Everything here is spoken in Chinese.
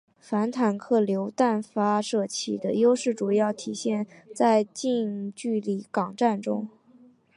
反坦克榴弹发射器的优势主要体现在近距离巷战中。